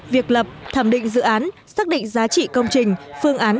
việc lập thẩm định dự án xác định giá trị công trình phương án